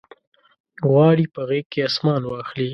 غواړي غیږ کې اسمان واخلي